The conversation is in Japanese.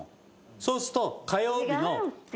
そうすると火曜日の。